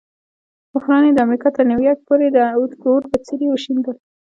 بحران یې د امریکا تر نیویارک پورې د اور بڅري وشیندل.